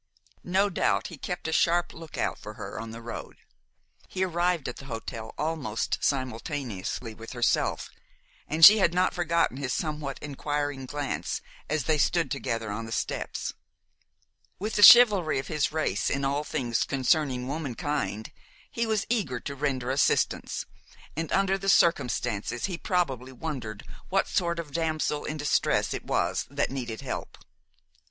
No doubt he kept a sharp lookout for her on the road. He arrived at the hotel almost simultaneously with herself, and she had not forgotten his somewhat inquiring glance as they stood together on the steps. With the chivalry of his race in all things concerning womankind, he was eager to render assistance, and under the circumstances he probably wondered what sort of damsel in distress it was that needed help.